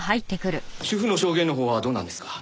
主婦の証言のほうはどうなんですか？